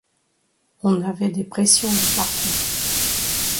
On avait des pressions de partout.